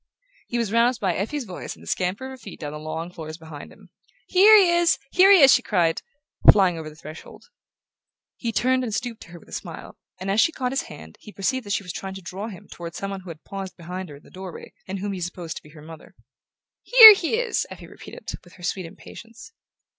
He was roused by Effie's voice and the scamper of her feet down the long floors behind him. "Here he is! Here he is!" she cried, flying over the threshold. He turned and stooped to her with a smile, and as she caught his hand he perceived that she was trying to draw him toward some one who had paused behind her in the doorway, and whom he supposed to be her mother. "HERE he is!" Effie repeated, with her sweet impatience.